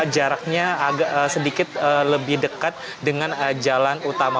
jaraknya agak sedikit lebih dekat dengan jalan utama